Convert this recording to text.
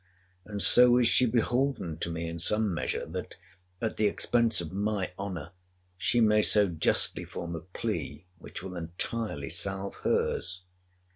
And so is she beholden to me in some measure, that, at the expense of my honour, she may so justly form a plea, which will entirely salve her's.